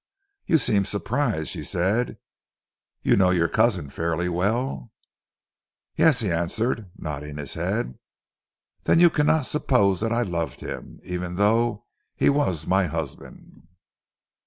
"You seem surprised," she said; "you know your cousin fairly well?" "Yes," he answered, nodding his head. "Then you cannot suppose that I loved him, even though he was my husband!